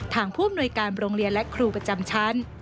ทางภูมิหน่วยการโรงเรียนและครูประจำชั้น